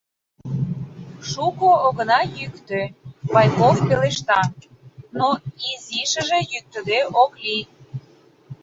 — Шуко огына йӱктӧ, — Байков пелешта, — но изишыже йӱктыде ок лий...